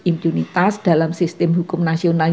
impunitas dalam sistem hukum nasional